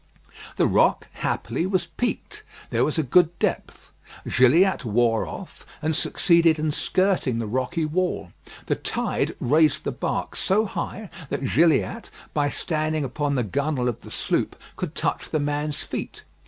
The rock, happily, was peaked; there was a good depth. Gilliatt wore off, and succeeded in skirting the rocky wall. The tide raised the bark so high that Gilliatt, by standing upon the gunwale of the sloop, could touch the man's feet.